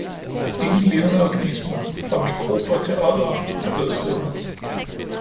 Ingen levende organismer, fra mikrober til oddere, er blevet skånet.